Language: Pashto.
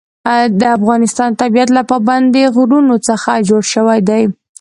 د افغانستان طبیعت له پابندی غرونه څخه جوړ شوی دی.